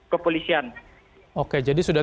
kepolisian oke jadi sudah